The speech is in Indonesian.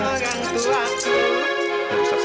ayolah boleh tahan